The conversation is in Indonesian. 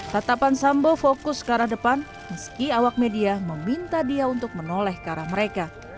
tatapan sambo fokus ke arah depan meski awak media meminta dia untuk menoleh kemampuan